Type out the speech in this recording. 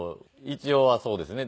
一応はそうですね。